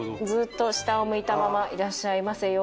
ずっと下を向いたまま「いらっしゃいませ。